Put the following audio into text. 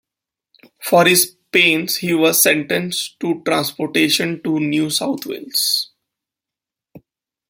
For his pains he was sentenced to transportation to New South Wales.